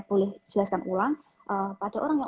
boleh jelaskan ulang pada orang yang